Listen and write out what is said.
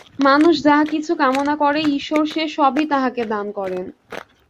মানুষ যাহা কিছু কামনা করে, ঈশ্বর সে-সবই তাহাকে দান করেন।